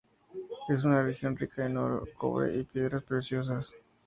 Es una región rica en oro, cobre y piedras preciosas.